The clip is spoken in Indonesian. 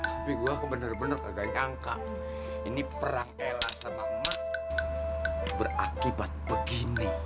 tapi gua bener bener agak nyangka ini perang ella sama emak berakibat begini